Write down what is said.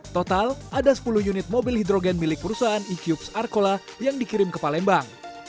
total ada sepuluh unit mobil hidrogen milik perusahaan ecups arkola yang dikirim ke palembang